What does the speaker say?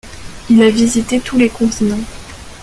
Il a visité tous les continents.